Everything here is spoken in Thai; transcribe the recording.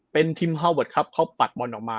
เป็นทีมฮาเวิร์ดครับเขาปัดบอลออกมา